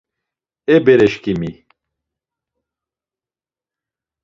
E bereşǩimi!